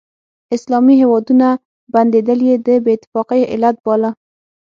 اسلامي هیوادونه بندېدل یې د بې اتفاقۍ علت باله.